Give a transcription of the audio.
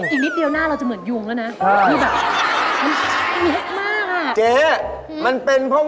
อีกนิดเดียวหน้าเราจะเหมือนยวงแล้วนะ